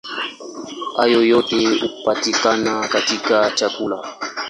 Hayo yote hupatikana katika chakula.